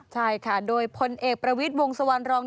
ใช่ค่ะโดยพลเอกประวิทย์วงสวรรค์รอง